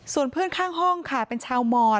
ส่วนเพื่อนข้างห้องค่ะเป็นชาวมอน